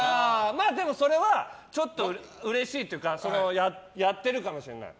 まあでもそれはちょっとうれしいというかやってるかもしれない。